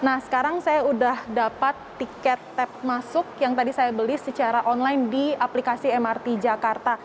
nah sekarang saya sudah dapat tiket tap masuk yang tadi saya beli secara online di aplikasi mrt jakarta